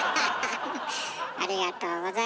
ありがとうございます。